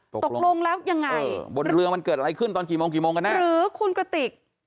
ตกลงแล้วยังไงบนเรือมันเกิดอะไรขึ้นตอนกี่โมงกี่โมงกันแน่หรือคุณกระติก